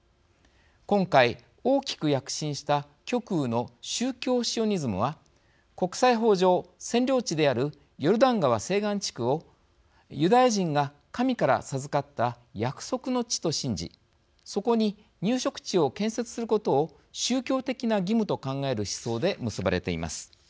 今回、大きく躍進した極右の宗教シオニズムは国際法上、占領地であるヨルダン川西岸地区をユダヤ人が神から授かった約束の地と信じそこに入植地を建設することを宗教的な義務と考える思想で結ばれています。